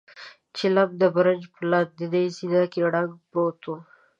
چيلم د برج په لاندنۍ زينه کې ړنګ پروت و.